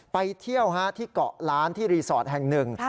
ไปเที่ยวที่เกาะล้านที่รีสอร์ทแห่งหนึ่ง